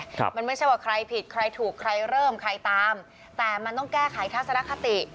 ครับมันไม่ใช่ว่าใครผิดใครถูกใครเริ่มใครตามแต่มันต้องแก้ไขทัศนคติ